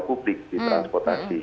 publik di transportasi